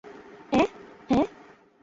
অ্যাঁ, হ্যাঁ?